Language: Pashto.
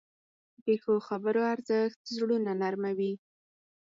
د ښو خبرو ارزښت زړونه نرموې.